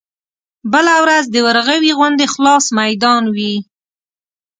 بله ورځ د ورغوي غوندې خلاص ميدان وي.